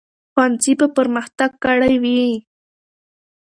ښوونځي به پرمختګ کړی وي.